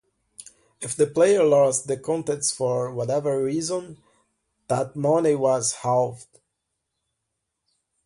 If the player lost the contest for whatever reason, that money was halved.